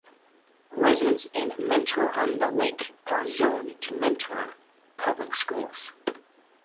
Residents in Mentor-on-the-Lake are zoned to Mentor Public Schools.